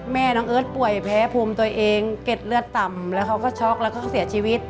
แม่น้องเอิร์ทป่วยแพ้ภูมิตัวเองเก็ดเลือดต่ำแล้วเขาก็ช็อกแล้วก็เสียชีวิต